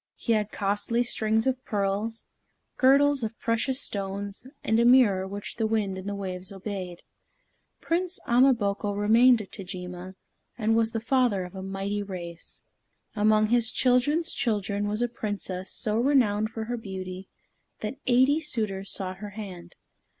He had costly strings of pearls, girdles of precious stones, and a mirror which the wind and the waves obeyed. Prince Ama boko remained at Tajima, and was the father of a mighty race. Among his children's children was a Princess so renowned for her beauty that eighty suitors sought her hand.